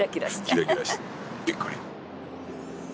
キラキラしてびっくり。